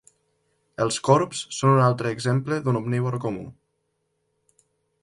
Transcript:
Els corbs són un altre exemple d'un omnívor comú.